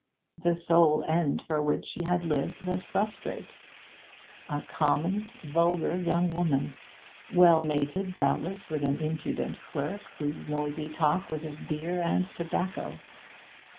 The sole end for which she had lived was frustrate. A common, vulgar young woman well mated, doubtless, with an impudent clerk, whose noisy talk was of beer and tobacco!